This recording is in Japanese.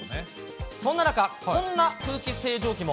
そんな中、こんな空気清浄機も。